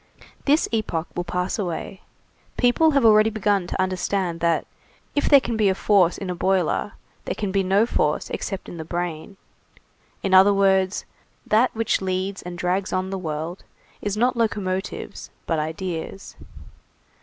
This epoch will pass away, people have already begun to understand that, if there can be force in a boiler, there can be no force except in the brain; in other words, that which leads and drags on the world, is not locomotives, but ideas.